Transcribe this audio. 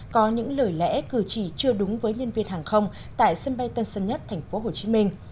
có những lời lẽ cử chỉ chưa đúng với nhân viên hàng không tại sân bay tân sân nhất thành phố hồ chí minh